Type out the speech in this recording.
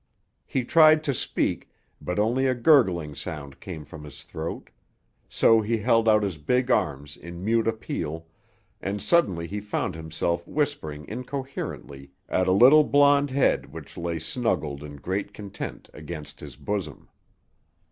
He tried to speak, but only a gurgling sound came from his throat; so he held out his big arms in mute appeal, and suddenly he found himself whispering incoherently at a little blonde head which lay snuggled in great content against his bosom.